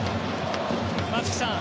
松木さん